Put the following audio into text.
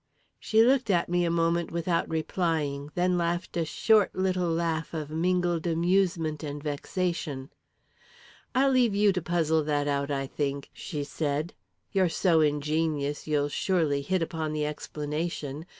She looked at me a moment without replying, then laughed a short, little laugh of mingled amusement and vexation. "I'll leave you to puzzle that out, I think," she said. "You're so ingenious, you'll surely hit upon the explanation.